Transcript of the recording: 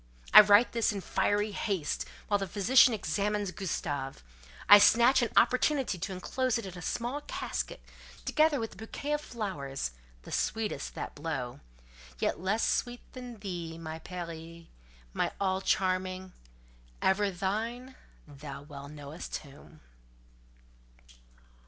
I write this in fiery haste; while the physician examines Gustave, I snatch an opportunity to enclose it in a small casket, together with a bouquet of flowers, the sweetest that blow—yet less sweet than thee, my Peri—my all charming! ever thine thou well knowest whom!"